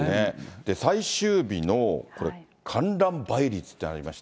最終日のこれ、観覧倍率っていうのがありまして。